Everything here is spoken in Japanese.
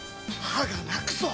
歯が泣くぞ！